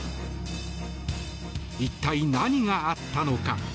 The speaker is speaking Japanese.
一体何があったのか。